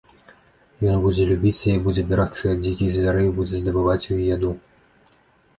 Ён будзе любіць яе, будзе берагчы ад дзікіх звярэй, будзе здабываць ёй яду.